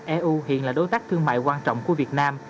eu hiện là đối tác thương mại quan trọng của việt nam